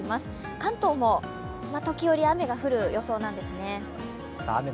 関東も時折、雨が降る予想なんですね。